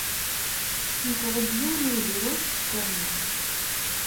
Yeffeɣ-d yiwen n wegru seg waman.